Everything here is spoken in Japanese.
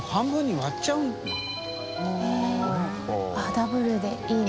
ダブルでいいな。